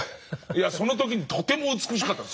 その時にとても美しかった。